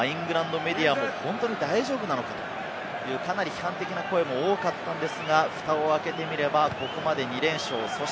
イングランドメディアも本当に大丈夫なのか？という、かなり批判的な声も多かったんですが、ふたを開けてみれば、ここまで２連勝。